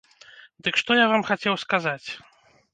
Дык што я вам хацеў сказаць.